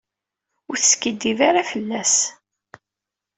Ur teskiddib ara fell-as.